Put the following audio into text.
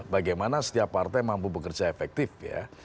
bagaimana setiap partai mampu bekerja efektif ya